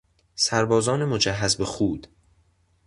سربازان مجهز به خود